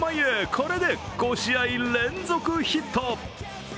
これで５試合連続ヒット。